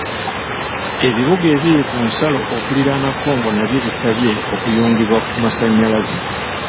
Ebibuga ebiri ku nsalo okulirana Congo nabyo bisabye okuyungibwa ku masannyalaze.